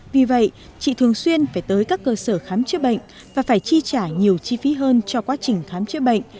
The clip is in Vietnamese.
vì vậy chị thường xuyên phải tới các cơ sở khám chữa bệnh và phải chi trả nhiều chi phí hơn cho quá trình khám chữa bệnh